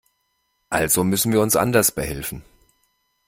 Also müssen wir uns anders behelfen.